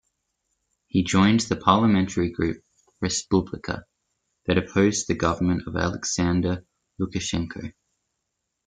He joined the parliamentary group Respublika that opposed the government of Aleksandr Lukashenko.